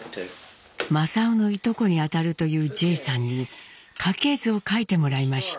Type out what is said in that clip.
正雄のいとこにあたるというジェイさんに家系図を書いてもらいました。